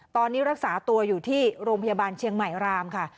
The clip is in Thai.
ตอนนี้รักษาตัวอยู่ที่โรงพยาบาลเชียงใหม่รามค่ะ